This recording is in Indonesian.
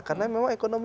karena memang ekonomi